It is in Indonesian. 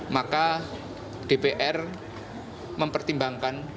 maka dpr mempertimbangkan